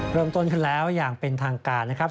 เริ่มต้นขึ้นแล้วอย่างเป็นทางการนะครับ